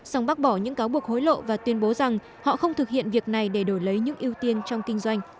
song bác bỏ những cáo buộc hối lộ và tuyên bố rằng họ không thực hiện việc này để đổi lấy những ưu tiên trong kinh doanh